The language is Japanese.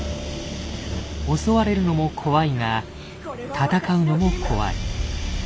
襲われるのも怖いが戦うのも怖い。